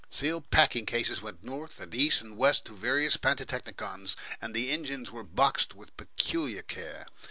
Sealed packing cases went north and east and west to various pantechnicons, and the engines were boxed with peculiar care.